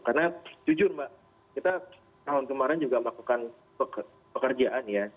karena jujur mbak kita tahun kemarin juga melakukan pekerjaan ya